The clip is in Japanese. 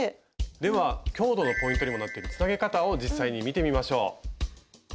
では強度のポイントにもなってるつなげ方を実際に見てみましょう。